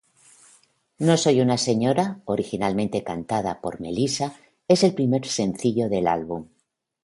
No soy una señora, originalmente cantada por Melissa, es el primer sencillo del álbum.